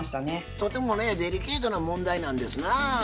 とてもねデリケートな問題なんですなぁ。